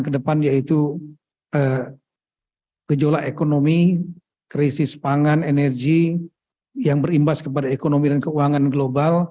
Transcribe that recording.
nomor dua yaitu kejolak ekonomi krisis pangan dan energi yang berimbas kepada ekonomi dan keuangan global